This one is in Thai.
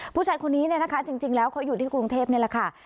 ผู้ชายคนนี้เนี่ยนะคะจริงแล้วเขาอยู่ที่กรุงเทพนี่แหละค่ะ